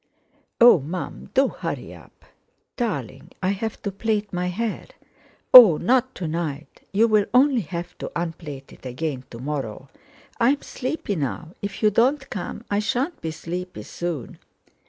"Oh! Mum, do hurry up!" "Darling, I have to plait my hair." "Oh! not to night. You'll only have to unplait it again to morrow. I'm sleepy now; if you don't come, I shan't be sleepy soon."